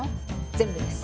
全部です。